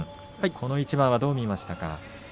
この一番どう見ました？